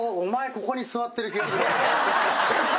ここに座ってる気がする。